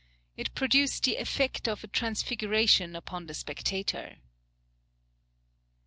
It produced the effect of a transfiguration upon the spectator."